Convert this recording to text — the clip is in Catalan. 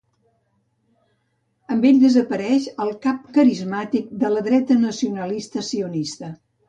Amb ell desapareix el cap carismàtic de la dreta nacionalista sionista.